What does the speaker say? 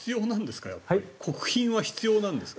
国賓は必要なんですか？